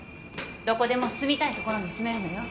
どこでも住みたい所に住めるのよ。